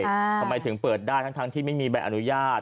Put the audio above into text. ทำไมถึงเปิดได้ทั้งที่ไม่มีใบอนุญาต